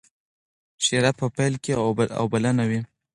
شیره په پیل کې اوبلنه وي.